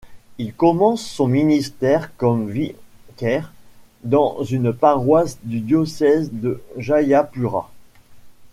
Il commence son ministère comme vicaire dans une paroisse du diocèse de Jayapura.